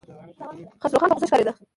خسروخان په غوسه ښکارېده.